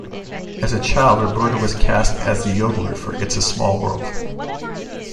As a child Roberta was cast as the Yodeler for "It's a Small World".